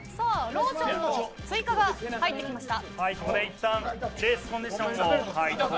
ローションの追加が入ってきました。